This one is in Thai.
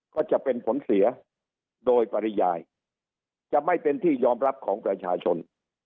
ก็จะเป็นผลเสียโดยปริยายจะไม่เป็นที่ยอมรับของประชาชน